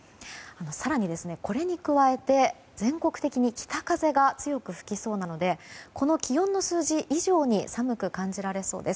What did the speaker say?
更に、これに加えて全国的に北風が強く吹きそうなのでこの気温の数字以上に寒く感じられそうです。